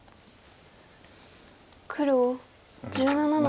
黒１７の十。